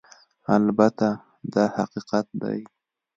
البته دا حقیقت دی